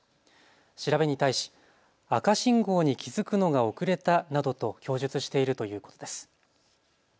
調べに対し赤信号に気付くのが遅れたなどと供述しているということです。